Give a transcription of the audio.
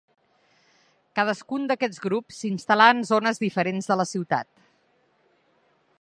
Cadascun d'aquests grups s'instal·là en zones diferents de la ciutat.